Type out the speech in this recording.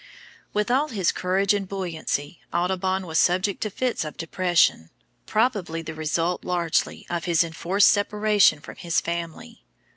With all his courage and buoyancy, Audubon was subject to fits of depression, probably the result largely of his enforced separation from his family.